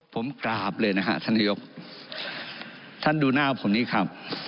ผมกราบเลยนะฮะท่านนายกท่านดูหน้าผมนี้ครับ